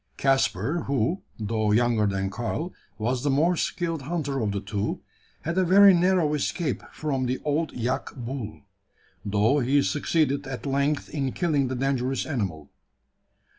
Caspar, who, though younger than Karl, was the more skilled hunter of the two, had a very narrow escape from the old yak bull; though he succeeded at length in killing the dangerous animal.